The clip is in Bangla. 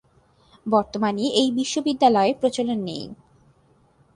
বর্তমানে এই বিশ্ববিদ্যালয়ের প্রচলন নেই।